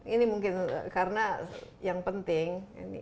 ini mungkin karena yang penting